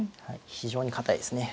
非常に堅いですね。